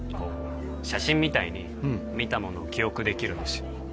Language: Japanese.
写真みたいに見たものを記憶できるんですよ